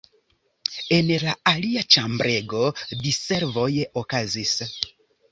En la alia ĉambrego diservoj okazis.